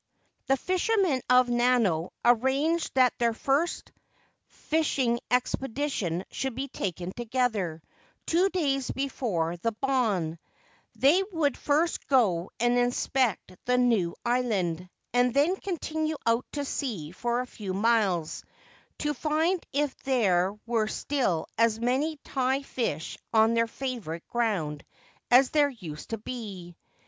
The fishermen of Nanao arranged that their first fish ing expedition should be taken together, two days before the * Bon/ They would first go and inspect the new island, and then continue out to sea for a few miles, to find if there were still as many tai fish on their favourite ground as there used to be.